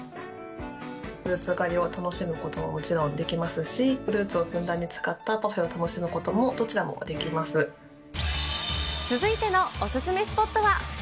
フルーツ狩りを楽しむことももちろんできますし、フルーツをふんだんに使ったパフェを楽しむ続いてのお勧めスポットは。